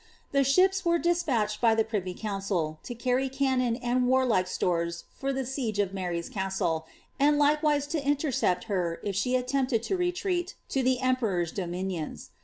The ships weie despatched by the privy council to carry cannon and warlike stores for the siege of Mary^s castle, and likewise to intercept her if she attempted to retreat to the emperors dominions.